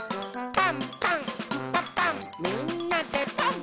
「パンパンんパパンみんなでパン！」